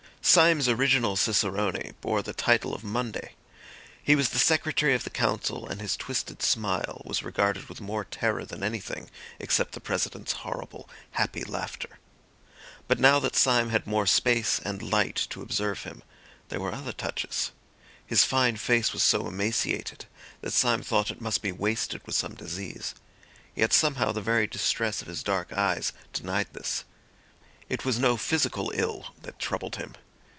Syme's original cicerone bore the title of Monday; he was the Secretary of the Council, and his twisted smile was regarded with more terror than anything, except the President's horrible, happy laughter. But now that Syme had more space and light to observe him, there were other touches. His fine face was so emaciated, that Syme thought it must be wasted with some disease; yet somehow the very distress of his dark eyes denied this. It was no physical ill that troubled him.